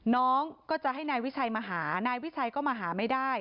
น้องก็จะให้นายวิชัยมาหานายวิชัยก็มาหาไม่ได้